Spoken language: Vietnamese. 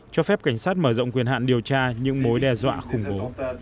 cho phép cảnh sát mở rộng quyền hạn điều tra những mối đe dọa khủng bố